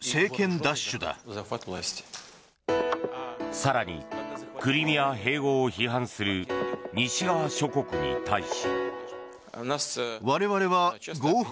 更に、クリミア併合を批判する西側諸国に対し。